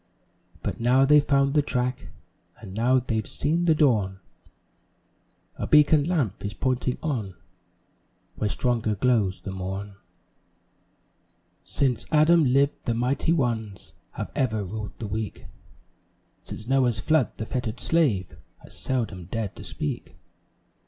But now they've found the track And now they've seen the dawn, A "beacon lamp" is pointing on, Where stronger glows the morn. Since Adam lived, the mighty ones Have ever ruled the weak; Since Noah's flood, the fettered slave Has seldom dared to speak.